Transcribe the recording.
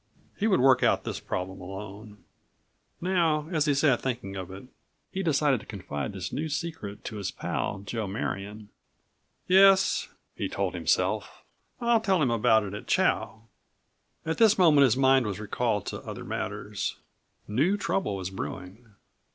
He would work out this problem alone. Now, as he sat thinking of it, he decided to confide this new secret to his pal, Joe Marion. "Yes," he told himself, "I'll tell him about it at chow." At this moment his mind was recalled to other matters. New trouble was brewing.